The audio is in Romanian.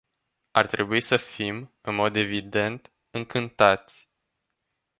Ar trebui să fim, în mod evident, încântați.